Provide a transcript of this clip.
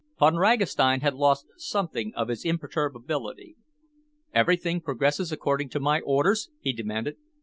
Von Ragastein had lost something of his imperturbability. "Everything progresses according to my orders?" he demanded.